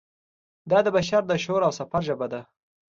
دا د بشر د شعور او سفر ژبه ده.